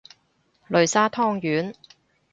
擂沙湯圓